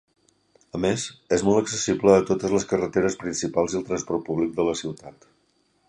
A més, és molt accessible a totes les carreteres principals i al transport públic de la ciutat.